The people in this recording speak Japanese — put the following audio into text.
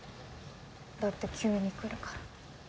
だって急に来るから。